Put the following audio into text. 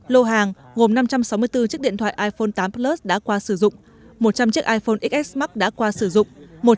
lô hàng gồm năm trăm sáu mươi bốn chiếc điện thoại iphone tám plus đã qua sử dụng một trăm linh chiếc iphone xs max đã qua sử dụng